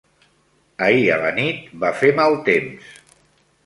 Ahir a la nit va fer mal temps.